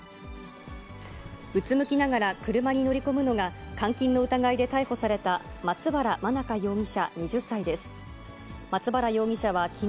うつむきながら車に乗り込むのが、監禁の疑いで逮捕された、松原愛華容疑者２０歳です。